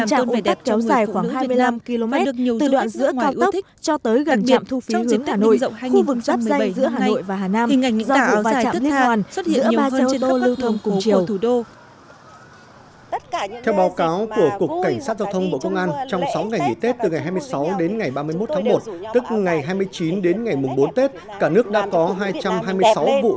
dẫu rằng trong quanh việc không bắn bóng hoa năm nay có nhiều lần tuyến trái chiều